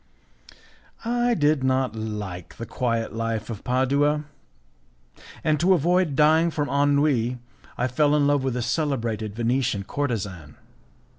I did not like the quiet life of Padua, and to avoid dying from ennui I fell in love with a celebrated Venetian courtezan.